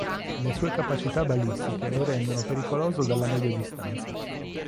Le sue capacità balistiche lo rendono pericoloso dalla media distanza.